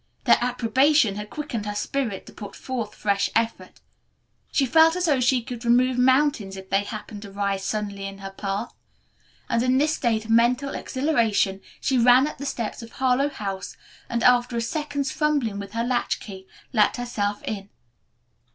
Their approbation had quickened her spirit to put forth fresh effort. She felt as though she could remove mountains if they happened to rise suddenly in her path. And in this state of mental exhilaration she ran up the steps of Harlowe House and, after a second's fumbling with her latchkey, let herself in.